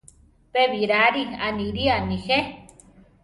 Pe Birari aniría nejé.